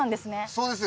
そうです。